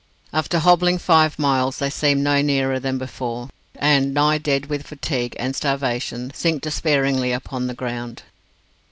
After hobbling five miles, they seem no nearer than before, and, nigh dead with fatigue and starvation, sink despairingly upon the ground.